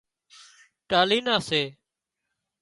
ٽالهي نان سي